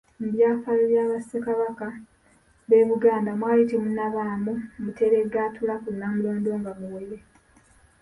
Mu byafaayo bya Bassekabaka b'e Buganda mwali temunnabaamu muteregga atuula ku Nnamulondo nga muwere.